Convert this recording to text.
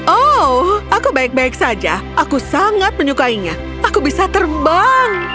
oh aku baik baik saja aku sangat menyukainya aku bisa terbang